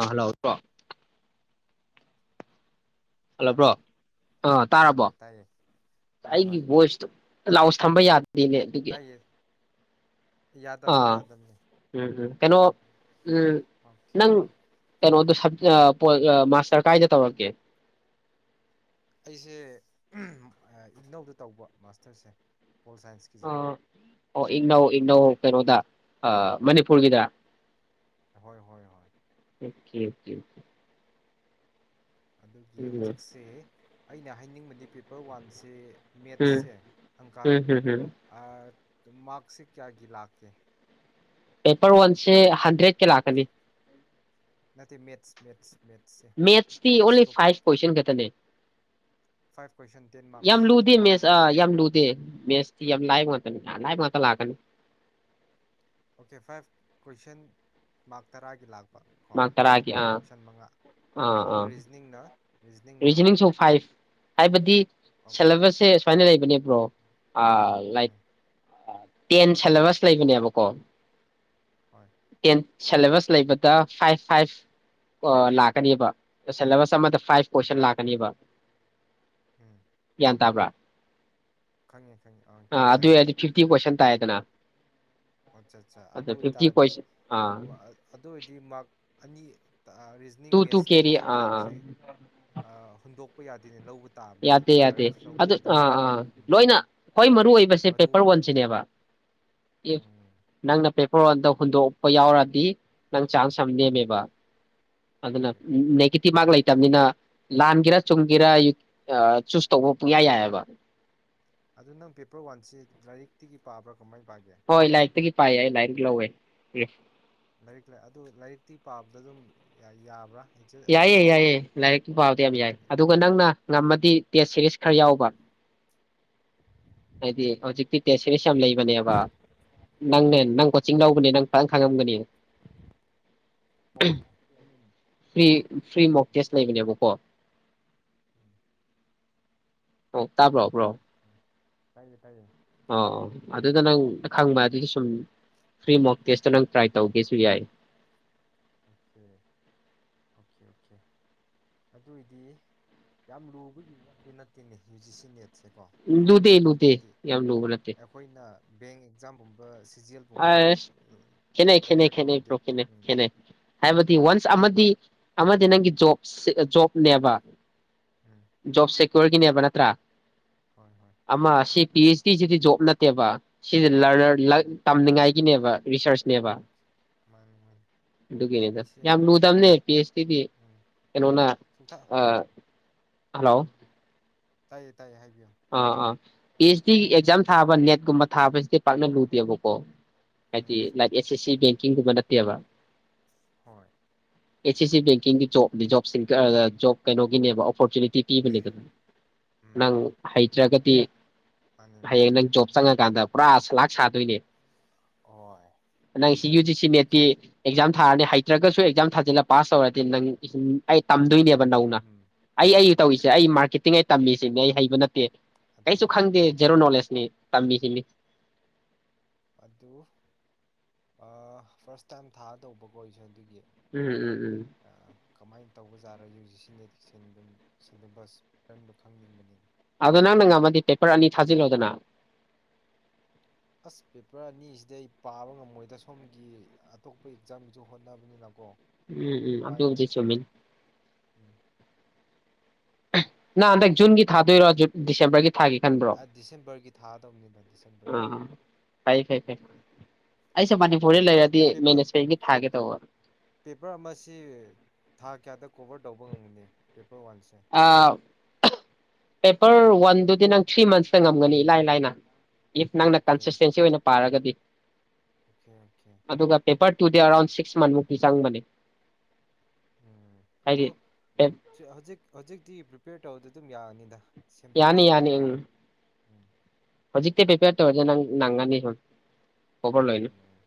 ꯑꯥ hello ꯇ꯭ꯔꯣ ꯍꯜꯂꯥꯕ꯭ꯔꯣ hello ꯑꯥ ꯍꯣꯏ ꯇꯥꯔꯕꯣ ꯍꯣꯏ ꯇꯥꯏꯌꯦ ꯍꯣꯏ ꯍꯣꯏ ꯑꯩꯒꯤ ꯚꯣꯏꯁꯇꯣ ꯂꯥꯎꯁ ꯊꯝꯕ ꯌꯥ ꯅꯦꯅꯦ ꯗꯨꯒꯤ ꯇꯥꯏꯌꯦ ꯌꯥꯗꯕꯅꯤ ꯑꯥ ꯌꯥꯗꯕꯅꯤ ꯎꯝ ꯎꯝ ꯀꯩꯅꯣ ꯎꯝ ꯑꯣꯀꯦ ꯅꯪ ꯀꯩꯅꯣ ꯗꯨꯁ [unintelligible] ꯑꯥ ꯃꯥꯁꯇꯔ ꯀꯥꯏꯗ ꯇꯧꯔꯛꯀꯦ ꯑꯩꯁꯦ [unintelligible] ꯑꯥ ꯏꯒꯅꯧꯗ ꯇꯧꯕ ꯃꯥꯁꯇꯔꯁꯦ ꯄꯣꯜ ꯁꯥꯏꯟꯁꯀꯤꯁꯦ ꯑꯥ ꯑꯣ ꯏꯒꯅꯧ ꯏꯒꯅꯧ ꯀꯩꯅꯣꯗ ꯑꯥ ꯃꯅꯤꯄꯨꯔꯒꯤꯗ ꯍꯣꯏ ꯍꯣꯏ ꯍꯣꯏ ꯑꯣꯀꯦ ꯑꯣꯀꯦ ꯑꯣꯀꯦ ꯑꯗꯨꯒꯤ ꯍꯧꯖꯤꯛꯁꯦ ꯑꯩꯅ ꯍꯥꯏꯅꯤꯡꯕꯗꯤ ꯄꯦꯄꯔ ꯋꯥꯟꯁꯦ ꯎꯝ ꯃꯦꯠꯁꯁꯦ ꯑꯪꯀ ꯎꯝ ꯎꯝ ꯍꯝ ꯍꯝ ꯇ ꯃꯥꯥꯛꯁꯦ ꯀꯌꯥ ꯒꯤ ꯂꯥꯛꯀꯦ ꯄꯦꯄꯔ ꯋꯥꯟꯁꯦ ꯍꯟꯗ꯭ꯔꯦꯠꯀꯤ ꯂꯥꯛꯀꯅꯤ ꯅ ꯃꯦꯠꯁ ꯃꯦꯠꯁ ꯃꯦꯠꯁꯁꯦ ꯃꯦꯊꯁ ꯃꯦꯠꯁ ꯑꯣꯂꯤ ꯇꯣꯄꯤꯛ ꯐꯥꯏꯚ ꯀꯣꯏꯑꯟꯇꯅꯦ ꯐꯥꯏꯚ ꯀꯣꯏꯁꯟ ꯇꯦꯟ ꯌꯥꯝ ꯃꯥꯔꯛꯁ ꯂꯨꯗꯦ ꯀꯣ ꯃꯦꯁ ꯑꯥ ꯌꯥꯝ ꯂꯨꯗꯦ ꯃꯦꯁ ꯌꯥꯝ ꯂꯥꯏꯕ ꯉꯥꯛꯇꯅꯤ ꯂꯥꯏꯕ ꯉꯥꯛꯇ ꯂꯥꯛꯒꯅꯤ ꯑꯣꯀꯦ ꯐꯥꯏꯚ ꯀꯣꯏꯁꯟ ꯃꯥꯔꯛ ꯇꯔꯥꯒꯤ ꯂꯥꯛꯄ ꯀꯣ ꯃꯥꯔꯛ ꯇꯔꯥꯀꯤ ꯑꯥ ꯀꯣꯏꯁꯟ ꯃꯉꯥ ꯑꯥ ꯑꯗꯨꯒ ꯑꯥ ꯔꯤꯖꯅꯤꯡꯅ ꯔꯤꯖꯅꯤꯡꯅ ꯔꯤꯖꯅꯤꯡ ꯁ ꯐꯥꯏꯚ ꯍꯥꯏꯕꯗꯤ ꯑꯣꯀꯦ ꯁꯦꯂꯦꯕꯁꯁꯦ ꯁꯨꯃꯥꯏꯅ ꯂꯩꯕꯅꯦꯕ ꯣ ꯂꯥꯏ ꯎꯝ ꯇꯦꯟ ꯁꯦꯂꯦꯕꯁ ꯂꯩꯕꯅꯦꯕꯀꯣ ꯍꯣꯏ ꯀ [unintelligible] ꯁꯦꯂꯦꯕꯁ ꯂꯩꯕꯗ ꯐꯥꯏꯚ ꯐꯥꯏꯚ ꯂꯥꯛꯀꯅꯦꯕ ꯁꯦꯂꯦꯕꯁ ꯑꯃꯗ ꯐꯥꯏꯚ ꯀꯣꯏꯁꯟ ꯎꯝ ꯂꯥꯛꯀꯅꯤꯕ ꯎꯝ ꯇꯥꯕ꯭ꯔꯥ ꯈꯪꯉꯦ ꯈꯪꯉꯦ ꯑꯪ ꯑꯥ ꯒ꯭ꯌꯥꯟ ꯑꯗꯨ ꯇꯥꯏ ꯑꯣꯏꯔꯗꯤ ꯐꯤꯐꯇꯤ ꯀꯣꯏꯁꯟ ꯎꯝ ꯇꯥꯏꯗꯅ ꯑꯠꯆꯥ ꯑꯠꯆꯥ ꯑꯗ ꯑꯗꯨ ꯐꯤꯐꯇꯤ ꯑꯣꯏꯇꯥꯔꯗꯤ ꯀꯣꯏꯁꯟ ꯑꯥ ꯑꯗꯨ ꯑꯣꯏꯔꯗꯤ ꯃ ꯑꯅꯤ ꯔꯤꯖꯅꯤꯡ ꯇꯨ ꯇꯨ ꯀꯦꯔꯤ ꯃꯦꯠꯁꯇꯁꯨ ꯑꯥ ꯑꯥ ꯃꯥꯔꯛꯁꯦ ꯍꯨꯟꯗꯣꯛ ꯌꯥꯗꯦꯅꯦ ꯂꯧꯕ ꯇꯥꯕꯅꯤꯅꯦ ꯌꯥꯇꯦ ꯖꯤ ꯑꯥꯔ ꯌꯥꯇꯦ ꯑꯦꯐ ꯑ ꯂꯧꯒꯦ ꯍꯥꯏꯗꯤ ꯑ ꯑꯥ ꯎꯝ ꯂꯣꯏꯅ ꯈ꯭ꯋꯥꯏ ꯃꯔꯨ ꯑꯣꯏꯕꯁꯦ ꯃꯔꯨ ꯄꯦꯄꯔ ꯑꯣꯏ ꯋꯥꯟꯁꯤꯅꯦꯕ ꯎꯝ ꯅꯪ ꯅ ꯄꯦ ꯃꯣꯟꯗ ꯍꯨꯟꯗꯣꯛꯄ ꯌꯥꯎꯔꯗꯤ ꯅꯪ ꯆꯥꯟꯁ ꯑꯃ ꯅꯦꯝꯃꯦꯕ ꯑꯗꯨꯗꯅ ꯑꯣꯀꯦ ꯑꯣꯀꯦ ꯅꯦꯇꯤꯚ ꯃꯥꯒꯂ ꯂꯩꯇꯕꯅꯤꯅ ꯂꯥꯟꯒꯦꯔꯥ ꯎꯝ ꯆꯨꯝꯒꯦꯔꯥ ꯆꯨꯁ ꯇꯧꯕꯌꯥ ꯌꯥꯏꯑꯕ ꯑꯗꯨ ꯅꯪ ꯄꯦꯄꯔ ꯋꯥꯟꯁꯦ ꯂꯥꯏꯔꯤꯛꯇꯒꯤ ꯄꯥꯕ꯭ꯔꯥ ꯀꯃꯥꯏꯅ ꯄꯥꯒꯦ ꯍꯣꯏ ꯂꯥꯏꯔꯤꯛꯇꯒꯤ ꯄꯥꯏ ꯑꯩ ꯂꯥꯏꯔꯤꯛ ꯂꯧꯋꯦ ꯎꯝ ꯂꯥꯏꯔꯤꯛ ꯑꯗꯨ ꯂꯥꯏꯔꯤꯛꯇꯤ ꯄꯥꯕꯗ ꯑꯗꯨꯝ ꯌꯥꯕ꯭ꯔꯥ ꯑꯦꯛꯖꯦ ꯑꯗꯨꯝ ꯌꯥꯏꯌꯦ ꯌꯥꯏꯌꯦ ꯂꯥꯏꯔꯤꯛꯀꯤ ꯍꯣꯏ ꯄꯥꯥꯎꯗꯤ ꯌꯥꯝ ꯌꯥꯏ ꯑꯗꯨꯒ ꯅꯪꯅ ꯉꯝꯃꯗꯤ ꯇꯦꯁ ꯁꯦꯔꯤꯁ ꯈꯔ ꯌꯥꯎꯕ ꯍꯥꯏꯗꯤ ꯍꯧꯖꯤ ꯀꯦꯁꯦꯁ ꯌꯥꯝ ꯂꯩꯕꯅꯦꯕ ꯅꯪꯅꯦ ꯅꯪ ꯀꯣꯆꯤꯡ ꯂꯒꯅꯤ ꯅꯪ ꯄꯪ ꯈꯪꯉꯝꯒꯅꯤ ꯑꯗꯨꯝ ꯐ꯭ꯔꯤ ꯔꯤꯂꯤꯚꯦꯟ ꯐ꯭ꯔꯤ ꯑꯣꯏꯕ ꯃꯣꯐ ꯇꯦꯁ ꯀꯣꯏꯁꯟꯁꯤꯡꯗꯣ ꯂꯩꯕꯅꯦꯕꯀꯣ ꯎꯝ ꯑꯣ ꯇꯥꯕ꯭ꯔꯣꯕ꯭ꯔꯣ ꯇꯥꯏꯌꯦꯦ ꯇꯥꯏꯌꯦ ꯑꯣ ꯑꯗꯨꯗ ꯅꯪ ꯈꯪꯕ ꯑꯗꯨꯗꯤ ꯁꯨꯝ ꯐ꯭ꯔꯤ ꯃꯣꯛ ꯇꯦꯁꯇ ꯅꯪ ꯇ꯭ꯔꯥꯏ ꯇꯧꯒꯦꯁꯨ ꯌꯥꯏ ꯑꯣꯀꯦ ꯑꯣꯀꯦ ꯑꯣꯀꯦ ꯑꯗꯨꯏꯗꯤ ꯌꯥꯝ ꯂꯨꯕꯒꯤ ꯋꯥꯗꯤ ꯅꯠꯇꯦꯅꯦ ꯌꯨ ꯖꯤ ꯁꯤ ꯅꯦꯠ ꯂꯨꯇ ꯂꯨꯇꯦ ꯌꯥꯝ ꯂꯂꯦ ꯦꯡ ꯑꯦꯛꯖꯥꯝꯒꯨꯝꯕ ꯖꯤ ꯑꯦꯜꯒꯨꯝꯕꯒ ꯑ ꯈꯅꯦ ꯈ ꯀꯝꯄꯤꯌꯔ ꯈ ꯇꯧꯔꯗꯤ ꯄ꯭ꯔꯣ ꯈ ꯎꯝ ꯈ ꯍꯥꯏꯕꯗꯤ ꯋꯥꯟꯁ ꯎꯝ ꯑꯃꯗꯤ ꯑꯃꯗꯤ ꯅꯪꯒꯤ ꯣ ꯖꯣꯕꯅꯦꯕ ꯎꯝ ꯖꯣꯕ ꯁꯦꯀ꯭ꯌꯣꯔꯒꯤꯅꯦꯕ ꯅꯠꯇ꯭ꯔꯥ ꯍꯣꯏ ꯍꯣꯏ ꯑꯃ ꯑꯁꯤ ꯄꯤ ꯑꯩꯆ ꯗꯤꯁꯤꯗꯤ ꯖꯣꯕ ꯅꯠꯇꯦꯕ ꯂ ꯃꯥꯅꯤ ꯅꯦ ꯔ ꯅꯦꯕ ꯑꯣꯀꯦ ꯃꯥꯅꯤ ꯃꯥꯅꯤ ꯑꯗꯨꯒꯤꯅꯤꯗ ꯑꯩꯁꯦ ꯌꯥꯝ ꯂꯨꯗꯝꯕꯅꯦ ꯄꯤ ꯑꯩꯆ ꯇꯤꯗꯤ ꯎꯝ ꯀꯩꯅꯣꯅ ꯁꯨꯡꯇꯥ ꯍꯜꯂꯣ ꯇꯥꯏꯌꯦ ꯇꯥꯏꯌꯦ ꯍꯥꯏ ꯑꯥ ꯑꯥ ꯄꯤ ꯑꯩꯆ ꯗꯤ ꯑꯦꯛꯖꯥꯝ ꯊꯥꯕ ꯎꯝ ꯅꯦꯠꯀꯨꯝꯕ ꯊꯥꯕꯁꯤꯗꯤ ꯄꯅ ꯂꯇꯤ ꯄꯣꯀꯣ ꯍꯥꯏꯥꯏ ꯑꯦꯁ ꯑꯦꯁ ꯁꯤ ꯀ ꯀꯗꯥꯇ ꯌꯥꯕ ꯍꯣꯏ ꯑꯦ ꯁꯤ ꯎꯝ ꯀꯩꯅꯣ [unintelligible] ꯇꯤ ꯄꯤ ꯀ ꯎꯝ ꯅꯪ ꯑꯩꯆ꯭ꯔꯒꯗꯤ ꯃꯥꯅꯤ ꯃꯥꯅꯤ ꯍꯌꯦꯡ ꯅꯪ ꯆꯣꯞꯁ ꯀꯥꯟꯗ ꯄꯨꯔꯥ ꯂꯥꯛ ꯁꯥꯗꯣꯏꯅꯦ ꯍꯣꯏ ꯅꯪ ꯁꯤ ꯌꯨ ꯁꯤ ꯃ ꯑꯣꯀꯦ ꯑꯦꯛꯖꯝ ꯊꯥꯔꯅꯤ ꯍꯩꯇ꯭ꯔꯒꯁꯨ ꯑꯦꯛꯖꯥꯝ ꯊꯥꯖꯤꯜꯂ ꯄꯥꯁ ꯇꯧꯔꯗꯤ ꯅꯪ ꯑꯩ ꯇꯝꯕ ꯇꯝꯗꯣꯏꯅꯦꯕ ꯌꯥꯏꯕ ꯅꯧꯅ ꯎꯝ ꯑꯩ ꯑꯩ ꯃꯥꯅꯤ ꯃꯥꯅꯤ ꯇꯧꯔꯤꯁꯦ ꯑꯩ ꯃꯥꯔꯀꯦꯇꯤꯡ ꯑꯩ ꯇꯝꯃꯤꯁꯤꯡꯅꯦ ꯑꯩ ꯍꯩꯕ ꯅꯠꯇꯦ ꯀ ꯑꯩꯁꯨ ꯑꯗꯨꯅꯦ ꯈꯪꯗꯦ ꯑꯗꯨꯅꯦ ꯖꯦꯔꯣ ꯅꯣꯂꯦꯖꯅꯤ ꯎꯝ ꯇꯝꯃꯤꯁꯤꯅꯤ ꯑꯗꯨ ꯐꯥꯔꯁ ꯇꯥꯏꯝ ꯊꯥ ꯇꯧꯕ ꯀꯣꯁꯨ ꯑꯗꯨꯒꯤ ꯎꯝ ꯎꯝ ꯎꯝ ꯀꯃꯥꯏꯅ ꯇꯧꯕꯖꯥꯔ ꯌꯨ ꯖꯤ ꯁꯤ ꯅꯦꯠꯀꯤꯁ ꯑꯗꯨꯝ ꯁꯟꯗꯕꯁꯇꯟꯗꯣ ꯈꯪꯅꯤꯡꯕꯅꯤꯅ ꯑꯗꯣ ꯅꯪ ꯅꯪ ꯉꯝꯃꯗꯤ ꯄꯦꯄꯔ ꯑꯅꯤ ꯊꯥꯖꯤꯜꯂꯣꯗꯅ ꯑꯁ ꯄꯦꯄꯔ ꯑꯅꯤꯁꯤꯗ ꯑꯩ ꯄꯥꯕ ꯉꯝꯃꯣꯏꯗ ꯁꯣꯝꯒꯤ ꯑꯇꯣꯞꯄ ꯑꯦꯛꯖꯥꯝꯒꯤꯁꯨ ꯍꯣꯠꯅꯕꯅꯤꯅꯀꯣ ꯎꯝ ꯎꯝ ꯑꯗ ꯋꯥꯏꯅꯦ ꯎꯗꯤ ꯆꯃꯤ ꯎꯝ ꯅ ꯑꯗ ꯨꯟꯒꯤ ꯊꯥꯗꯣꯏꯔꯣ ꯗꯤꯁꯦꯝꯕꯔꯒꯤ ꯊꯥꯒꯦ ꯈꯟꯕ꯭ꯔꯣ ꯗꯤꯁꯦꯝꯕꯔꯒꯤ ꯊꯥꯗꯧꯅꯤꯅ ꯗꯤꯁꯦꯝꯕꯔꯒꯤ ꯑꯥ ꯐꯩ ꯐꯩ ꯐꯩ ꯑꯩꯁꯨ ꯃꯅꯤꯄꯨꯔꯗ ꯂꯩꯔꯗꯤ ꯄꯦꯄꯔꯄ ꯃꯦꯅꯦꯖꯃꯦꯟꯒꯤ ꯊꯥꯒꯦ ꯇꯧꯕ ꯄꯦꯄꯔ ꯑꯃꯁꯤ ꯊꯥ ꯀꯌꯥꯗ ꯀꯈꯣꯕꯔ ꯗꯎꯕꯉꯝ ꯃꯅꯤ ꯄꯣ ꯋꯥꯟꯁꯦ ꯑꯥ ꯄꯦꯄꯔ ꯋꯥꯟꯗꯨꯗꯤ ꯅꯪ ꯊ꯭ꯔꯤ ꯃꯟꯁꯇ ꯉꯝꯒꯅꯤ ꯏꯂꯥꯏ ꯂꯥꯏꯅ ꯏꯐ ꯅꯪꯅ ꯑꯣꯀꯦ ꯀꯟꯁꯤꯁꯇꯦꯟꯁꯤ ꯑꯣꯏꯅ ꯄꯥꯔꯒꯗꯤ ꯑꯣꯀꯦ - ꯑꯣꯀꯦ꯫ ꯇꯨꯗꯦ ꯑꯦꯔꯥꯎꯟ ꯁꯤꯛꯁ ꯃꯟꯊꯃꯨꯛꯇꯤ ꯆꯪꯕꯅꯦ ꯎꯝ ꯍꯥꯏꯗꯤ ꯑꯗꯨ ꯍꯧꯖꯤꯛ ꯍꯧꯖꯤꯛꯇꯤ ꯄ꯭ꯔꯤꯄꯦꯌꯔ ꯇꯧꯕꯗꯨ ꯑꯗꯨꯝ ꯌꯥꯔꯅꯤꯗ꯫ ꯌꯥꯅꯤ- ꯗꯤꯁꯦꯝꯕꯔꯒꯤꯁꯦꯀꯣ ꯌꯥꯅꯤ ꯎꯝ꯫ ꯎꯝ ꯍꯧꯖꯤꯛꯇꯩ ꯄꯦꯄꯔ ꯇꯧꯔꯗꯤ ꯅꯒꯥꯅꯤ ꯫ [unintelligible] ꯎꯝ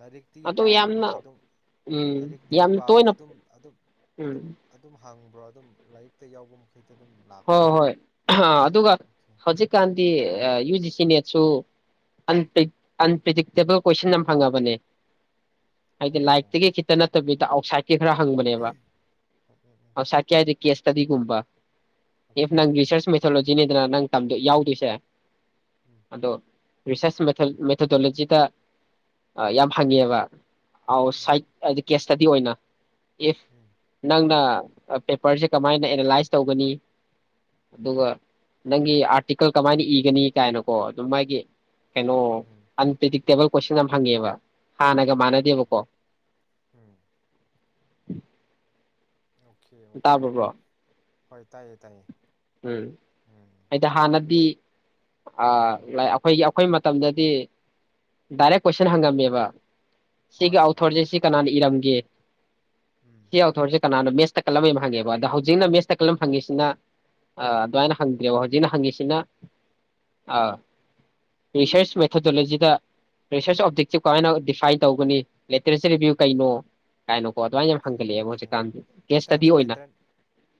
ꯂꯥꯏꯔꯤꯛꯇꯤꯒꯤ ꯄꯥꯏꯌꯦꯕꯀꯣ ꯑꯗꯨꯝ ꯎꯝ ꯂꯥꯏꯔꯤꯛꯇꯤꯒꯤ ꯌꯥꯝꯅ ꯇꯣꯏꯅ ꯄꯥꯕꯗ ꯑꯗꯨꯝ ꯑꯗꯨꯝ ꯎꯝ ꯑꯗꯨꯝ ꯑꯗꯨꯝ ꯍꯪꯕ ꯑꯗꯨꯝ ꯂꯥꯏꯔꯤꯛꯇ ꯌꯥꯎꯕ ꯃꯈꯩ ꯍꯣꯏ ꯍꯣꯏ ꯑꯗꯨꯒ ꯑꯣꯀꯦ ꯍꯧꯖꯤꯛꯀꯥꯟꯗꯤ ꯌꯨ ꯖꯤ ꯅꯦꯠꯁꯨ ꯑꯟꯄ꯭ꯔꯤꯗꯤꯛꯇꯦꯕꯜ ꯀꯣꯏꯁꯟ ꯑꯃ ꯐꯪꯉꯕꯅꯦ꯫ ꯍꯥꯏꯗꯤ ꯂꯥꯏꯔꯤꯛ ꯑꯣ ꯇꯒꯤ ꯈꯤꯠꯇ ꯅꯠꯇ ꯕꯤ ꯥ [unintelligible] ꯀ ꯈꯔ ꯍꯪꯕꯅꯦꯕ꯫ ꯎꯝ ꯎꯝ ꯎꯝ ꯑꯥꯎꯠꯁꯥꯏꯠ ꯀꯤ ꯍꯥꯏꯗꯤ ꯀꯦꯁ ꯇꯗꯤꯒꯨꯝꯕ ꯑꯣꯀꯦ ꯏꯐ ꯅꯪ ꯑꯣꯀꯦ ꯔꯔꯤꯁꯔꯆ ꯃꯩꯊꯣꯂꯣꯖꯤꯅꯤꯗꯅ ꯅꯪ ꯌꯥꯎꯗꯣꯏꯁꯦ ꯎꯝ ꯑꯗꯣ ꯔꯤꯁꯔꯁ ꯃꯦꯊꯗꯣꯂꯣꯖꯤꯗ ꯌꯥꯝ ꯍꯪꯉꯦꯕ ꯑ ꯁ ꯎꯝ ꯀꯦ ꯆꯗꯤ ꯑꯣꯏꯅ ꯏꯐ ꯎꯝ ꯅꯪꯗꯥ ꯄꯦꯄꯔꯁꯦ ꯀꯃꯥꯏꯅ ꯑꯦꯅꯥꯂꯥꯏꯁ ꯇꯧꯒꯅꯤ ꯑꯗꯨꯒ ꯅꯪꯒꯤ ꯑꯥꯔꯇꯤꯀꯜ ꯀꯃꯥꯏꯅ ꯏꯒꯅꯤ ꯀꯥꯏꯅꯀꯣ ꯑꯗꯨꯝ ꯃꯥꯒꯤ ꯀꯩꯅꯣ ꯎꯝ ꯑꯟꯄꯤꯗꯤꯛ ꯇꯦꯕꯜ ꯀꯣꯏꯁꯟ ꯌꯥꯝ ꯐꯪꯉꯦꯕ ꯍꯥꯟꯅꯒ ꯎꯝ ꯃꯥꯅꯗꯤꯕ ꯀꯣ ꯎꯝ ꯎꯝ ꯑꯣꯀꯦ ꯑꯣꯀꯦ ꯍꯣꯏ ꯇꯥꯏꯌꯦ ꯇꯥꯏꯌꯦ ꯎꯝ ꯎꯝ ꯑꯩꯗ ꯍꯥꯟꯅꯗꯤ ꯑꯩꯈꯣꯏꯒꯤ ꯑꯩꯈꯣꯏ ꯃꯇꯝꯗꯗꯤ ꯗꯥꯏꯔꯦꯛ ꯀꯣꯏꯁꯟ ꯍꯪꯉꯝꯃꯦꯕ ꯁꯤꯒꯤ ꯍꯣꯏ ꯑꯥꯎ ꯍꯣꯏ ꯊꫭꯔꯖꯦ ꯁꯤ ꯀꯅꯥꯅ ꯏꯔꯝ ꯒꯦ ꯎꯝ ꯁꯤ ꯑꯥꯎ ꯊꫭꯔꯁꯦ ꯀꯅꯥꯅꯣ ꯃꯦꯁ ꯇ ꯀꯂꯝ ꯌꯥꯝ ꯍꯪꯉꯦꯕ ꯑꯗ ꯎꯝ ꯍꯧꯖꯤꯛꯅ ꯃꯦꯁ ꯇ ꯀꯂꯝ ꯍꯪꯉꯤꯁꯤꯅ ꯑ ꯗꯨꯃꯥꯏꯅ ꯍꯪꯗ꯭ꯔꯦꯕ ꯍꯧꯖꯤꯛꯅ ꯍꯪꯉꯤꯁꯤꯅ ꯑ ꯔꯤꯁꯔꯁ ꯃꯦꯊꯗꯣꯂꯣꯖꯤꯗ ꯔꯤꯁꯔꯁ ꯑꯣꯞꯖꯦꯛꯇꯤꯞ ꯀꯃꯥꯏꯅ ꯗꯤꯐꯥꯏꯟ ꯇꯧꯒꯅꯤ ꯇꯦꯔꯦꯁꯤꯌꯦꯜꯔꯤꯕꯤꯌꯨ ꯎꯝ ꯎꯝ ꯀꯩꯅꯣ ꯀꯥꯏꯅꯣꯀꯣ ꯑꯗꯨꯃꯥꯏꯅ ꯌꯥꯝ ꯑꯣꯀꯦ ꯍꯪꯒꯠꯂꯛ ꯑꯦꯕ ꯑꯣꯀꯦ ꯍꯧꯖꯤꯛꯀꯥꯟꯗꯤ ꯀꯦꯁ ꯈꯤꯇꯪ ꯁ꯭ꯇꯗꯤ ꯑꯣꯏꯅ ꯄꯦꯇꯔꯟ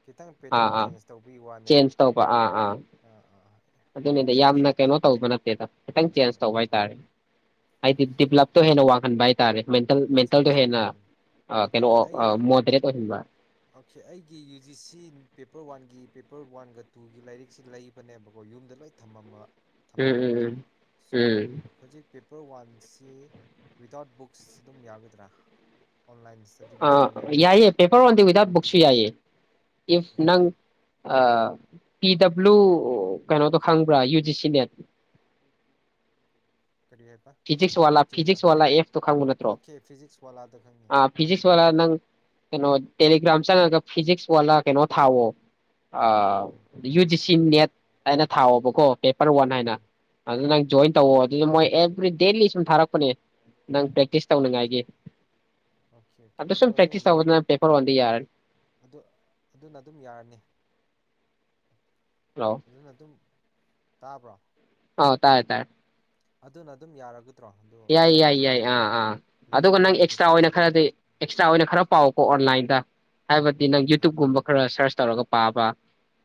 ꯈꯤꯇꯪ ꯑꯥ ꯄꯦꯇꯔꯟ ꯑꯥ ꯆꯦꯟꯖ ꯇꯧꯕꯒꯤ ꯋꯥꯅꯦꯕ ꯆꯦꯟꯖ ꯇꯧꯕ ꯑꯥ ꯑꯥ ꯑꯥ ꯑꯗꯨꯅꯤꯗ ꯑꯠꯆꯥ ꯑꯠꯆꯥ ꯌꯥꯝꯅ ꯀꯩꯅꯣ ꯇꯧꯕ ꯅꯠꯇꯦꯗ ꯈꯤꯇꯪ ꯑꯥ ꯆꯦꯟꯖ ꯇꯧꯕ ꯎꯝ ꯍꯥꯏ ꯎꯝ ꯇꯔꯦ ꯑꯣꯀꯦ ꯍꯥꯏꯗꯤ ꯑꯣꯀꯦ ꯗꯤꯕꯂꯞꯇꯣ ꯍꯦꯟꯅ ꯋꯥꯡꯍꯟꯕ ꯍꯥꯏ ꯇꯔꯦ ꯑꯠꯆꯥ ꯆꯥ ꯎꯝ ꯑꯗꯣ ꯀꯩꯅꯣ ꯑꯩ ꯃꯣꯗꯔꯦꯠ ꯑꯣꯏꯍꯟꯕ ꯑꯣꯀꯦ ꯑꯩꯒꯤ ꯌꯨ ꯖꯤ ꯁꯤ ꯄꯦꯄꯔ ꯋꯥꯟꯒꯤ ꯄꯦꯄꯔ ꯋꯥꯟꯒ ꯇꯨꯒꯤ ꯂꯥꯏꯔꯤꯛꯁꯤ ꯂꯩꯕꯅꯦꯕꯀꯣ ꯌꯨꯝꯗ ꯂꯣꯏ ꯊꯝꯃꯝꯕ ꯎꯝ ꯊꯝꯈ꯭ꯔꯕ ꯎꯝ ꯎꯝ ꯁꯣ ꯎꯝ ꯍꯧꯖꯤꯛ ꯄꯦꯄꯔ ꯋꯥꯟꯁꯤ ꯋꯤꯗꯥꯎꯠ ꯕꯨꯛꯁ ꯑꯗꯨꯝ ꯌꯥꯒꯗ꯭ꯔꯥ ꯑꯣꯟꯂꯥꯏꯟ ꯏꯁꯇꯗꯤ ꯑꯥ ꯃꯦꯇꯔꯤꯌꯦꯜꯗꯒꯤ ꯌꯥꯏꯌꯦ ꯄꯦꯄꯔ ꯋꯥꯟꯗꯤ ꯋꯤꯗꯥꯎꯠ ꯕꯨꯛꯁꯨ ꯌꯨꯇ꯭ꯌꯨꯕꯀꯨꯝꯕꯗꯒꯤ ꯌꯥꯏꯌꯦ ꯏꯐ ꯅꯪ ꯑꯣꯀꯦ ꯄꯤ ꯗꯕ꯭ꯂꯨ ꯎ ꯀꯩꯅꯣꯗꯣ ꯈꯪꯕ꯭ꯔꯥ ꯌꯨ ꯖꯤ ꯁꯤ ꯅꯦꯠ ꯀꯔꯤ ꯍꯥꯏꯕ ꯐꯤꯖꯤꯛꯁ ꯋꯥꯂꯥ ꯆꯦꯅꯦꯜ ꯐꯤꯖꯤꯛꯁ ꯋꯥꯂꯥ ꯑꯦꯐꯇꯣ ꯈꯪꯕ ꯅꯠꯇ꯭ꯔꯣ ꯑꯣꯀꯦ ꯐꯤꯖꯤꯛꯁ ꯋꯥꯂꯥꯗꯣ ꯈꯪꯉꯦ ꯑ ꯐꯤꯖꯤꯛꯁ ꯋꯥꯂꯥ ꯅꯪ ꯀꯩꯅꯣ ꯁꯞ ꯇꯦꯂꯤꯒ꯭ꯔꯥꯝ ꯆ ꯀ ꯐꯤꯖꯤꯛꯁ ꯂ ꯀꯩꯅꯣ ꯊꯥꯋꯣ ꯑ ꯎꯝ ꯌꯨꯗꯤ ꯁꯤ ꯅꯦꯠ ꯍꯥꯏꯅ ꯊꯥꯎꯑꯣꯕꯀꯣ ꯄꯦꯄꯔ ꯋꯥꯟ ꯍꯥꯏꯅ ꯎꯝ ꯑꯗꯨ ꯅꯪ ꯎꯝ ꯖꯣꯏꯟ ꯇꯧꯋ ꯑꯗꯨꯗ ꯃꯣꯏ ꯑꯣ ꯗꯦꯜꯂꯤ ꯁꯨꯝ ꯊꯥꯔꯛꯄꯅꯦ ꯅꯪ ꯑꯣꯀꯦ ꯇꯧꯅꯤꯡꯉꯥꯏꯒꯤ ꯑꯣꯀꯦ ꯑꯣꯀꯦ ꯑꯗꯨ ꯁꯨꯝ ꯑꯗꯨꯝ ꯄ꯭ꯔꯦꯛꯇꯤꯁ ꯇꯧꯕꯗ ꯅꯪ ꯄꯦꯄꯔ ꯋꯥꯟꯗꯤ ꯌꯥꯔꯅꯤ ꯑꯗꯨ ꯑꯗꯨꯅ ꯑꯗꯨꯝ ꯌꯥꯔꯅꯤ ꯍꯜꯂꯣ ꯑꯗꯨꯅ ꯑꯗꯨꯝ ꯀꯥꯄ꯭ꯔꯣ ꯍꯥꯎ ꯇꯥꯏꯦ ꯇꯔꯦ ꯑꯗꯨꯅ ꯑꯗꯨꯝ ꯌꯥꯔꯒ ꯌꯥꯏ ꯌꯥꯏ ꯌꯥꯏ ꯑꯥ ꯑꯥ ꯐꯤꯖꯤꯛꯁ ꯑꯗꯨꯒ ꯅꯪ ꯋꯥꯂꯥꯒꯤꯗꯨ ꯑꯦꯛꯁꯇ꯭ꯔꯥ ꯑꯣꯏꯅ ꯄꯥꯔꯗꯤ ꯈꯔꯗꯤ ꯑꯦꯛꯁꯇ꯭ꯔꯥ ꯑꯣꯏꯅ ꯈꯔ ꯄꯥꯎꯀꯣ ꯑꯣꯟꯂꯥꯏꯟꯗ ꯗ ꯍꯥꯏꯕꯗꯤ ꯅꯪ ꯑꯣꯀꯦ ꯌꯨꯇ꯭ꯌꯨꯕꯀꯨꯝꯕ ꯈꯔ ꯁꯔꯁ ꯇꯧꯔꯒ ꯄꯥ ꯄ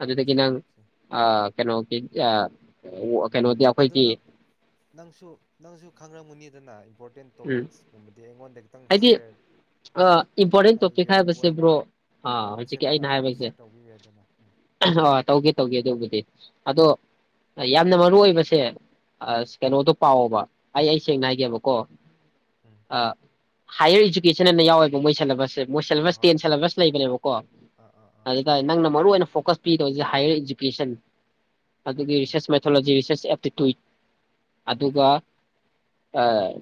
ꯑꯗꯨꯗꯒꯤ ꯑꯣꯀꯦ ꯅꯪ ꯑꯣꯀꯦ ꯑ ꯀꯩꯅꯣ ꯌꯥ ꯑꯗꯨ ꯅꯪ ꯅꯪꯁꯨ ꯅꯪꯁꯨ ꯈꯪꯈꯃꯨꯅꯤ [unintelligible] ꯏꯝꯣꯔꯦꯟ ꯎꯝ ꯇꯣꯄꯤꯛꯗꯤꯉꯣꯟ ꯍꯥꯏꯗꯤ ꯏꯝꯄꯣꯔꯇꯦꯟ ꯇꯣꯄꯤꯛ ꯍꯥꯏꯌꯨ ꯍꯥꯏꯕꯕꯁꯤꯦ ꯕ꯭ꯔꯣ ꯑ ꯍꯧꯖꯤꯛꯀꯤ ꯋꯥꯆꯦꯞꯇ ꯑꯩꯅ ꯍꯥꯏꯕꯁꯦ ꯁꯤꯌꯔ ꯇꯧꯕꯤꯌꯨ ꯌꯥꯏꯗꯅ ꯎꯝ ꯇꯧꯒꯦ ꯇꯧꯒꯦ ꯑꯗꯨꯕꯨꯗꯤ ꯑꯗꯣ ꯌꯥꯝꯅ ꯃꯔꯨ ꯑꯣꯏꯕꯁꯦ ꯑꯁ ꯎꯝ ꯀꯩꯅꯣꯇꯣ ꯄꯑꯣꯕ ꯑꯩ ꯑꯩ ꯁꯦꯡꯅ ꯍꯥꯏꯒꯦꯕꯀꯣ ꯎꯝ ꯑ ꯍꯥꯌꯌꯔ ꯏꯖꯨꯀꯦꯁꯟ ꯑꯅ ꯌꯥꯎꯋꯦꯕ ꯃꯣꯏ ꯁꯦꯂꯕꯁꯦꯕ ꯃꯣꯏ ꯍꯣꯏ ꯁꯦꯂꯦꯕꯁ ꯍꯣꯏ ꯇꯦꯟ ꯍꯣꯏ ꯁꯦꯂꯦꯕꯁ ꯂꯩꯕꯅꯦꯕꯀꯣ ꯑꯥ ꯑꯥ ꯑꯥ ꯑꯗꯨꯇꯥꯔꯗꯤ ꯈꯪꯉꯦ ꯅꯪꯅ ꯎꯝ ꯃꯔꯨꯑꯣ ꯑꯣꯏꯅ ꯐꯣꯀꯁ ꯄꯤ ꯍꯔ ꯑꯦꯖꯨꯀꯦꯁꯟ ꯑꯗꯨꯗꯒꯤ ꯎꯝ ꯔꯤꯁꯔꯁ ꯃꯊꯣꯖꯤ ꯔꯤꯁꯔꯁ ꯇꯩ ꯇꯨꯏ ꯑꯗꯨꯒ ꯑꯣꯀꯦ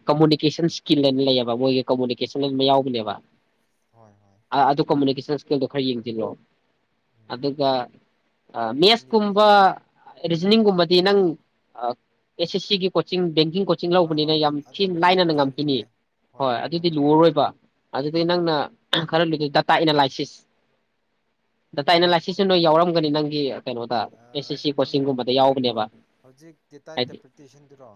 ꯀꯃꯨꯅꯤꯀꯦꯁꯟ ꯁ꯭ꯀꯤꯜꯅ ꯂꯩ ꯃꯣꯏꯒꯤ ꯀꯃꯨꯅꯤꯀꯦꯁꯟ ꯂꯣꯏ ꯌꯥꯎꯕꯅꯦꯕ ꯍꯣꯏ ꯍꯣꯏ ꯑ ꯑꯗꯨ ꯀꯃꯨꯅꯤꯦꯁ ꯁꯀꯜꯗꯣ ꯈꯔ ꯌꯦꯡꯁꯤꯜꯂꯣ ꯎꯝ ꯑꯗꯨꯒ ꯅꯨꯄꯤ ꯃꯦꯁꯀꯨꯝꯕ ꯔꯤꯖꯅꯤꯡꯒꯨꯝꯕꯗꯤ ꯅꯪ ꯑꯦꯁ ꯑꯦꯁ ꯁꯤꯒꯤ ꯀꯣꯆꯤꯡ ꯕꯦꯡ ꯀꯣꯆꯤꯡ ꯍꯣꯏ ꯂꯧꯕꯅꯤꯅ ꯍꯣꯏ ꯌꯥꯝ ꯑ- ꯊꯤꯅ ꯑꯗꯨꯕꯨꯗꯤ ꯂꯥꯏꯅꯅ ꯀꯌꯥ ꯉꯝꯈꯤꯅꯤ ꯂꯨꯗꯦ ꯍꯣꯏ ꯑꯗꯨꯗꯤ ꯉꯝꯒꯅꯤ ꯂꯨꯔꯣꯏꯕ ꯑꯗꯨꯗꯤꯩ ꯎꯝ ꯅꯪꯅ ꯈꯔ ꯗꯥꯇꯥ ꯑꯦꯅꯥꯂꯥꯏꯁꯤꯁ ꯗꯗꯥꯇ ꯑꯩꯅ ꯂꯥꯏꯁꯤꯁꯨ ꯅꯣꯏ ꯗꯦꯇꯥ ꯌꯥꯎꯔꯝꯒꯅꯤ ꯅꯪ ꯎ ꯀꯩꯅꯣꯗ ꯑꯦꯁ ꯑꯥ ꯑꯦꯁ ꯁꯤ ꯀꯣꯆꯤꯡꯒꯨꯝꯕꯗ ꯌꯥꯎꯕꯅꯦꯕ ꯍꯧꯖꯤꯛ ꯗꯦꯇꯥ ꯍꯥꯏꯗꯤ ꯏꯟꯇꯔꯄ꯭ꯔꯤꯇꯦꯁꯟꯗꯨꯔꯣ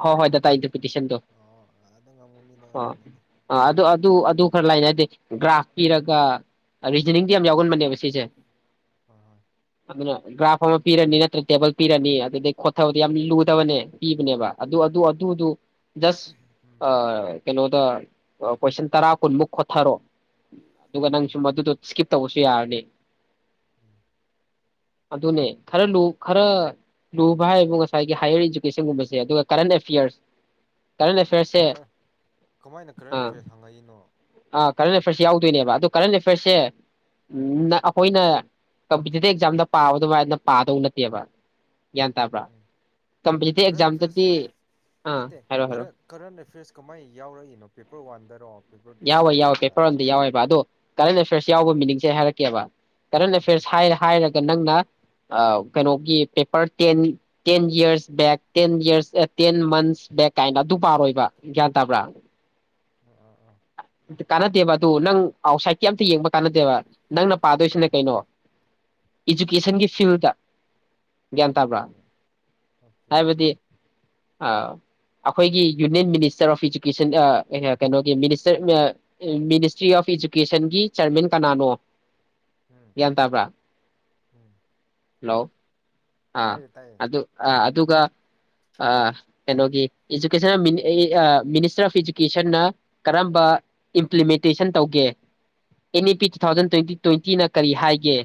ꯍꯣꯏ ꯍꯣꯏ ꯗꯇꯥ ꯏꯟꯇꯔꯄꯤꯇꯤꯁꯟꯗꯣ ꯑꯣ ꯑꯗ ꯉꯝꯒꯅꯤꯗ ꯑꯣ ꯉꯝꯒꯅꯤꯗ ꯑ ꯑꯗꯨ ꯑꯗꯨ ꯑꯗꯨ ꯎꯝ ꯈꯔ ꯂꯩꯅꯦ ꯍꯥꯏꯗꯤ꯭ꯔꯥ ꯇꯥꯛꯄꯤꯔꯒ ꯔꯤꯖꯅꯤꯡꯗꯤ ꯌꯥꯝ ꯌꯥꯎꯒꯟꯕꯅꯦꯕ ꯁꯤꯁꯦ ꯍꯣꯏ ꯍꯣꯏ ꯑꯗꯨꯅ ꯒ꯭ꯔꯥꯐ ꯑꯃ ꯄꯤꯔꯅꯤ ꯅꯠꯇ꯭ꯔ ꯇꯦꯕꯜ ꯄꯤꯔꯅꯤ ꯑꯗꯨꯗꯒꯤꯩ ꯈꯣꯊꯕꯗꯤ ꯌꯥꯝ ꯂꯨꯗꯕꯅꯦ ꯄꯤꯕꯅꯦꯕ ꯑꯗꯨ ꯑꯗꯨ ꯑꯗꯨ ꯑꯗꯨ ꯁ ꯎꯝ ꯑ ꯀꯩꯅꯣꯗ ꯀꯣꯏꯁꯟ ꯇꯔꯥ ꯀꯨꯟꯃꯨꯛ ꯈꯣꯊꯔꯣ ꯑꯗꯨꯒ ꯅꯪ ꯎꯝ ꯁꯨꯝꯃ ꯃꯗꯨꯀꯤꯞ ꯇꯧꯕꯁꯨ ꯌꯥꯔꯅꯤꯦ ꯎꯝ ꯑꯗꯨꯅꯦ ꯈꯔ ꯎꯝ ꯈꯔ ꯂꯨꯕ ꯍꯥꯏꯕꯨ ꯉꯁꯥꯏꯒꯤ ꯍꯥꯏꯌꯔ ꯏꯗꯨꯀꯦꯁꯟꯒꯨꯝꯕꯁꯦ ꯑꯗꯨꯒ ꯀꯔꯦꯟ ꯑꯦꯐꯤꯌꯔꯁ ꯀꯔꯦꯟ ꯑꯦꯐꯦꯌꯔꯁꯦ ꯈꯔ ꯀꯃꯥꯏꯅ ꯀꯔꯦꯟ ꯑꯥ ꯑꯦꯐꯤꯌꯔꯁ ꯍꯪꯉꯛꯏꯅꯣ ꯑꯥ ꯀꯔꯅꯦ ꯐ꯭ꯔꯁꯤ ꯌꯥ ꯇꯅꯦ ꯑꯗꯨ ꯀꯔꯦꯟ ꯑꯦꯐꯤꯌꯔꯁꯦ ꯑꯩꯈꯣꯏꯅ ꯀꯝꯄꯤꯇꯤꯇꯤꯞ ꯑꯦꯛꯖꯥꯝꯗ ꯄꯥꯕ ꯑꯗꯨꯃꯥꯏꯅ ꯄꯥꯗꯧ ꯅꯠꯇꯦꯕ ꯒ꯭ꯌꯥꯟ ꯇꯥꯕ꯭ꯔꯥ ꯎꯝ ꯀꯝꯄꯤꯇꯤꯇꯤꯚ ꯀꯔꯦꯟ ꯑꯦꯐꯤꯌꯔꯁ ꯑꯦꯛꯖꯥꯝꯗꯗꯤ ꯑꯥ ꯅꯠꯇꯦ ꯍꯥꯏꯔꯣ ꯍꯥꯏꯔꯣ ꯀꯔꯦꯟ ꯀꯔꯦꯟ ꯑꯦꯐꯤꯌꯔꯁ ꯀꯃꯥꯏꯅ ꯌꯥꯎꯔꯛꯏꯅꯣ ꯄꯦꯄꯔ ꯋꯥꯟꯗꯔꯣ ꯄꯦꯄꯔ ꯇꯨꯗꯔꯣ ꯌꯥꯎꯋꯦ ꯑꯩ ꯌꯥꯎꯋꯦ ꯚꯥꯞ ꯄꯦꯄꯔ ꯇꯥꯗꯦ ꯑꯝ ꯌꯥꯎꯋꯦꯕ ꯑꯗꯣ ꯀꯔꯦꯟ ꯑꯦꯐꯤꯌꯔꯁ ꯌꯥꯎꯕ ꯃꯤꯅꯤꯡ ꯁꯦ ꯍꯥꯏꯔꯛꯀꯦꯕ ꯀꯔꯦꯟ ꯎꯝ ꯑꯦꯐ꯭ꯌꯔꯁ ꯍꯥꯏ ꯍꯥꯏꯔꯒ ꯅꯪꯅ ꯀꯩꯅꯣꯒꯤ paper ten ten years back ten years ten months back ꯀꯥꯏꯅ ꯑꯗꯨ ꯄꯥꯔꯣꯏꯕ ꯒ꯭ꯌꯥꯟ ꯇꯥꯕ꯭ꯔꯥ ꯎꯝ ꯎꯝ ꯎꯝ ꯀꯥꯟꯅꯗꯦꯕ ꯑꯗꯨ ꯅꯪ ꯑꯥꯎꯠꯁꯥꯏꯠꯀꯤ ꯑꯝꯇ ꯌꯦꯡꯕ ꯀꯥꯟꯅꯗꯦꯕ ꯅꯪꯅ ꯍꯣꯏ ꯄꯥꯗꯣꯏꯁꯤꯅꯦ ꯍꯣꯏ ꯀꯩꯅꯣ ꯏꯖꯨꯀꯦꯁꯟꯒꯤ ꯐꯤꯜꯗ ꯒ꯭ꯌꯥꯟ ꯇꯥꯕ꯭ꯔꯥ ꯑꯣꯀꯦ ꯑꯣꯀꯦ ꯍꯥꯏꯕꯗꯤ ꯑꯣꯀꯦ ꯑꯩꯈꯣꯏꯒꯤ ꯌꯨꯅꯤꯌꯟ ꯃꯤꯅꯤꯁꯇꯔ ꯑꯣꯐ ꯏꯖꯨꯀꯦꯁꯟ ꯀꯩꯅꯣꯒꯤꯅꯤ ꯃꯤꯅꯤꯁꯇ꯭ꯔꯤ ꯑꯣꯐ ꯏꯗꯨꯨꯀꯦꯁꯟꯒꯤ ꯆꯤꯔꯃꯦꯟ ꯀꯅꯥꯅꯣ ꯎꯝ ꯒ꯭ꯌꯥꯟ ꯇꯥꯕ꯭ꯔꯥ ꯎꯝ ꯍꯜꯂꯣ ꯍꯣꯏ ꯑꯥ ꯇꯥꯏꯌꯦ ꯇꯥꯏꯌꯦ ꯑꯗꯨ ꯎꯝ ꯑꯗꯨꯒ ꯀꯩꯅꯣꯒꯤ ꯏꯖꯀꯦꯁꯟ ꯃꯤꯅꯤꯁꯇꯔ ꯑꯣꯐ ꯏꯗꯨꯨꯀꯦꯁꯟꯅ ꯀꯔꯝꯕ ꯏꯝꯄ꯭ꯂꯤꯃꯦꯟꯇꯦꯁꯟ ꯇꯧꯒꯦ ꯑꯦꯅꯤ ꯄꯤꯤ ꯇꯨ ꯊꯥꯎꯖꯟ ꯎꯝ ꯇ꯭ꯋꯦꯟꯇꯤ ꯇ꯭ꯋꯦꯟꯇꯤꯅ ꯀꯔꯤ ꯍꯥꯏꯒꯦ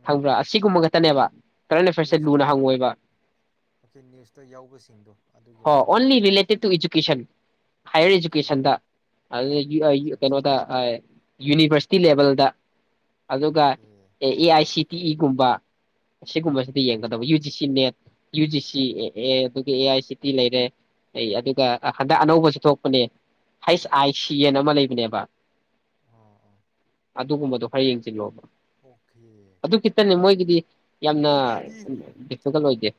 ꯎꯝ ꯈꯪꯕ꯭ꯔꯥ ꯑꯁꯤꯒꯨꯝꯕꯒ ꯟꯕ ꯀꯔꯦꯟ ꯑꯦꯐꯦꯌꯔꯁꯁꯦ ꯅ꯭ꯌꯨꯁꯇ ꯂꯨꯅ ꯍꯪꯉꯣꯏꯕ ꯑꯣꯀꯦ ꯅ꯭ꯌꯨꯁꯇ ꯌꯥꯎꯕꯁꯤꯡꯗꯣ ꯑꯗꯨꯒꯤ ꯍꯣ ꯃꯔꯝꯗ only related to education higher okay ꯏꯖꯨꯀꯦꯁꯟꯗ ꯑ ꯑꯠꯆꯥ ꯀꯩꯅꯣ ꯑꯠꯆꯥ ꯊ ꯌꯨꯅꯤꯚꯔꯁ ꯇꯤ ꯂꯦꯕꯦꯜꯗ ꯑꯗꯨꯒ okay A A I C T ꯏꯒꯨꯝꯕ ꯎꯝ ꯁꯤꯒꯨꯝꯕꯁꯤꯗ ꯌꯦꯡꯒꯗꯕ U G C NET U G C A ꯑꯦ ꯑꯗꯨꯒ ꯑꯦ ꯑꯥꯏ ꯁꯤ ꯇꯤ ꯂꯩꯔꯦ ꯑꯩ ꯑꯗꯨꯒ ꯍꯟꯗꯛ ꯑꯅꯧꯕꯁꯨ ꯊꯣꯛꯄꯅꯦ ꯍꯩꯁ ꯑꯥꯏ ꯁꯤ ꯑꯦꯟ ꯑꯃ ꯂꯩꯕꯅꯦꯕ ꯑꯣ ꯑꯣ ꯑꯗꯨꯒꯨꯝꯕꯗꯣ ꯈꯔꯥ ꯌꯦꯡꯆꯜꯂꯣꯕ ꯑꯣꯀꯦ [unintelligible] ꯑꯗꯨꯗꯤ ꯗꯤꯐꯤꯀꯜ ꯑꯣꯏꯗꯦ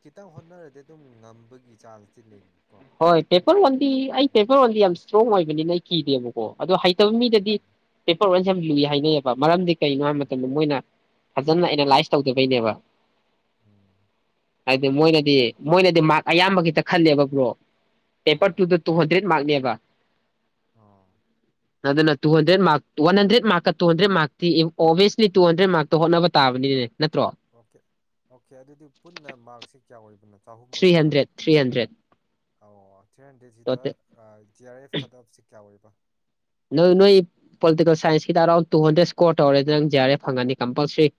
ꯈꯤꯇꯪ ꯍꯣꯠꯅꯔꯗꯤ ꯑꯗꯨꯝ ꯉꯝꯕꯒꯤ ꯆꯥꯟꯁ ꯆꯤ ꯂꯩꯅꯦ ꯍꯣꯏ ꯄꯦꯄꯔ ꯅ ꯑꯩ ꯀꯤꯗꯦꯕꯀꯣ ꯑꯣ ꯍꯩꯇꯕ ꯃꯤꯗꯗꯤ ꯎꯝ ꯄꯦꯄꯔ ꯋꯥꯟꯁꯦ ꯌꯥꯝ ꯂꯨꯏ ꯍꯥꯏꯅꯩꯕ ꯃꯔꯝꯗꯤ ꯀꯩꯒꯤꯅꯣ ꯍꯥꯏꯕ ꯃꯇꯝꯗ ꯎꯝ ꯃꯣꯏꯅ ꯐꯖꯅ ꯑꯦꯅꯥꯂꯥꯏꯁ ꯇꯧꯗꯕꯩꯅꯦꯕ ꯎꯝ ꯍꯥꯏꯗꯤ ꯃꯣꯏꯅꯗꯤ ꯑꯣꯀꯦ ꯃꯣꯏꯅꯗꯤ ꯃꯥꯔꯛ ꯑꯌꯥꯝꯕꯒꯤ ꯈꯜꯂꯦꯕ ꯕ꯭ꯔꯣ ꯄꯦꯄꯔ ꯇꯨꯗ ꯇꯨ ꯍꯟꯗ꯭ꯔꯦꯗ ꯃꯥꯔꯛꯅꯦꯕ ꯑ ꯑꯗꯨꯅ ꯇꯨ ꯍꯟꯗ꯭ꯔꯦꯠꯔꯛ ꯋꯥ ꯍꯟꯗ꯭ꯔꯦ ꯃꯥꯔꯛꯀ ꯇꯨꯟꯗ꯭ꯔꯦ ꯃꯥꯔꯛꯇꯤꯐ ꯑꯣꯕꯤꯌꯁꯂꯤ ꯇꯨ ꯍꯗ꯭ꯔꯦꯠ ꯃꯥꯔꯛꯇ ꯍꯣꯠꯅꯕ ꯇꯥꯕꯅꯤꯅꯅꯦ ꯑꯣꯀꯦ ꯑꯣꯀꯦ ꯑꯗꯨꯗꯤ ꯄꯨꯟꯅ ꯃꯥꯔꯛꯁꯦ ꯀꯌꯥ ꯑꯣꯏꯕꯅꯣ ꯊ꯭ꯔꯤ ꯍꯟꯗ꯭ꯔꯦꯠ ꯊ꯭ꯔꯤ ꯍꯟꯗ꯭ꯔꯦꯠ ꯑ ꯊ꯭ꯔꯤ ꯍꯟꯗ꯭ꯔꯦꯗꯁꯤꯗ ꯖꯤ ꯑꯥꯔ ꯑꯦꯐ ꯀꯠ ꯑꯣꯞꯁꯤꯦ ꯀꯌꯥ ꯑꯣꯏꯕ ꯅꯣꯏ ꯅꯣꯏ ꯄꯣꯂꯤꯇꯤꯀꯦꯜ ꯁꯥꯏꯟꯁꯀꯤꯗ ꯑꯔꯥꯎꯟ ꯇꯨ ꯍꯟꯗ꯭ꯔꯦꯗ ꯏꯁꯀꯣꯔ ꯇꯧꯔꯦ ꯅꯪ ꯖꯤꯦ ꯑꯥꯔ ꯑꯦꯐ ꯐꯪꯒꯅꯤ ꯀꯝꯄꯜꯁꯔꯤ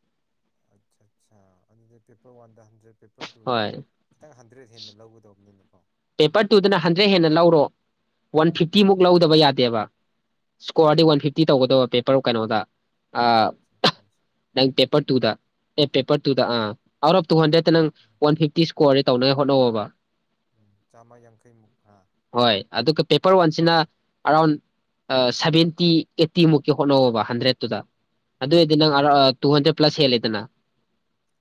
ꯑꯆꯥꯆꯥ ꯄꯦꯄꯔ ꯋꯥꯗ ꯄꯦꯄꯔ ꯇꯨꯗ ꯍꯣꯏ ꯈꯤꯇꯪ ꯍꯟꯗ꯭ꯔꯦꯗ ꯍꯦꯟꯅ ꯂꯧꯒꯗꯧꯕꯅꯤꯅꯦ ꯄꯦꯄꯔ ꯇꯨꯗꯅ ꯍꯟꯗ꯭ꯔꯦꯗ ꯍꯦꯟꯅ ꯂꯧꯔꯣ ꯋꯥꯟ ꯐꯤꯐꯇꯤꯃꯨꯛ ꯎꯝ ꯂꯧꯗꯕ ꯌꯥꯗꯦꯕ ꯏꯁꯀꯣꯔꯗꯤ ꯎꯝ ꯋꯥꯟ ꯐꯤꯐꯇꯤ ꯇꯧꯒꯗꯧꯕ ꯄꯦꯄꯔ ꯀꯩꯅꯣꯗ ꯑꯆꯥ ꯑꯆꯥ ꯅꯪ ꯄꯦꯄꯔ ꯇꯨꯗ ꯑꯦ ꯄꯦꯄꯔ ꯇꯨꯗ ꯑꯥ ꯎꯝ ꯑꯥꯎꯠ ꯑꯣꯐ ꯇꯨ ꯍꯟꯗ꯭ꯔꯦꯗꯠꯇ ꯅꯪ ꯎꯝ ꯋꯥꯟ ꯐꯤꯐꯇꯤ ꯏꯁꯀꯣꯔꯗ ꯇꯧꯅꯕꯉ ꯍꯣꯠꯅꯧꯕ ꯎꯝ ꯆꯥꯝꯃ ꯌꯥꯡꯈꯩꯃꯨꯛ ꯑꯥ ꯍꯣꯏ ꯑꯗꯨꯒ ꯄꯦꯄꯔ ꯋꯥꯟꯁꯤꯅ ꯎꯝ ꯑꯔꯥꯎꯟ ꯁꯚꯦꯟꯇꯤ ꯑꯩꯠꯇꯤ ꯃꯨꯛꯀꯤ ꯍꯣꯠꯅꯧꯕ ꯍꯟꯗ꯭ꯔꯦꯗꯠꯇꯨꯗ ꯑꯗꯨ ꯑꯣꯏꯏꯔꯗꯤ ꯎꯝ ꯅꯪ ꯑꯔ ꯇꯨ ꯍꯟꯗ꯭ꯔꯦꯠ ꯄ꯭ꯂꯁ ꯍꯦꯜꯂꯦꯗꯅ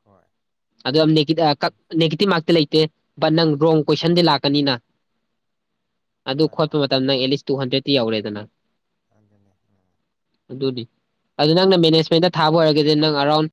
ꯍꯣꯏ ꯑꯗꯨꯗ ꯅ ꯀ ꯑꯣꯀꯦ ꯅꯦꯒꯤꯇ ꯃꯥꯥꯛꯇ ꯂ ꯂꯩꯇꯦ ꯕꯅꯪ ꯔꯣꯡ ꯀꯣꯏꯁꯟꯗꯤ ꯂꯥꯛꯀꯅꯤꯅ ꯑꯗꯨ ꯍꯣꯏ ꯈꯣꯠꯄ ꯍꯣꯏ ꯃꯇꯝꯗꯪꯁ ꯇꯨ ꯍꯟꯗ꯭ꯔꯦꯗꯇꯤ ꯌꯎꯔꯦꯗꯅ ꯊꯗꯅꯦ ꯎꯝ ꯑꯗꯨꯅꯤ ꯑꯗꯨ ꯅꯪꯅ ꯃꯦꯅꯦꯖꯃꯦꯟꯗ ꯊꯥꯕ ꯑꯣꯏꯔꯒꯗꯤ ꯅꯪ ꯑꯔꯥꯎꯟ